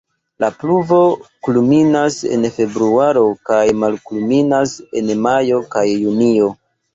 La pluvo kulminas en februaro kaj malkulminas en majo kaj junio.